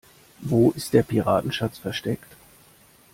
Wo ist der Piratenschatz versteckt?